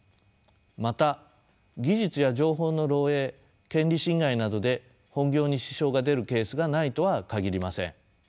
また技術や情報の漏えい権利侵害などで本業に支障が出るケースがないとは限りません。